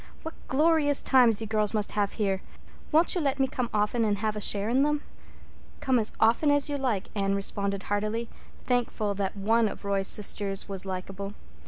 What glorious times you girls must have here! Won't you let me come often and have a share in them?" "Come as often as you like," Anne responded heartily, thankful that one of Roy's sisters was likable.